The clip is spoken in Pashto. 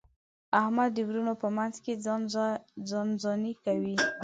احمد د وروڼو په منځ کې ځان ځاني کوي.